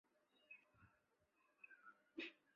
莱济尼昂人口变化图示